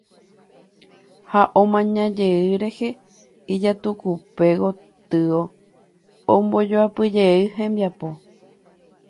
Ha omaña'ỹ rehe ijatukupe gotyo ombojoapyjey hembiapo.